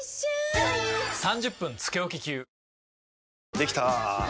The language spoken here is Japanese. できたぁ。